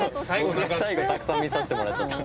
最後たくさん見させてもらっちゃった。